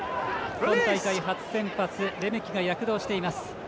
今大会初先発レメキが躍動しています。